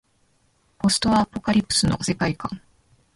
ポストアポカリプスの世界観